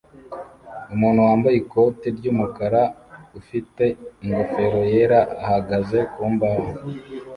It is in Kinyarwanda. Umuntu wambaye ikoti ry'umukara ufite ingofero yera ahagaze ku mbaho